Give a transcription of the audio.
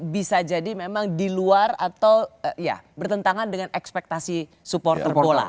bisa jadi memang di luar atau ya bertentangan dengan ekspektasi supporter bola